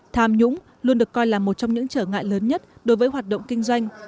tham nhũng luôn được coi là một trong những trở ngại lớn nhất đối với hoạt động kinh doanh